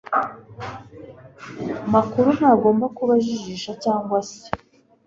makuru ntagomba kuba ajijisha cyangwa se